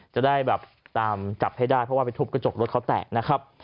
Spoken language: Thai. จะได้แบบตามจับให้ได้เพราะว่าไปทุบกระจกรถเขาแตะนะครับ